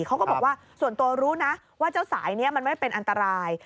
เขาก็บอกว่าส่วนตัวรู้นะว่าเจ้าสายนี้มันไม่เป็นอันตราย